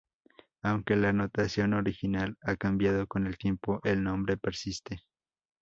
Aunque la notación original ha cambiado con el tiempo, el nombre persiste.